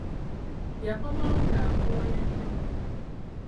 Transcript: Yakomawo ng'akooye nnyo.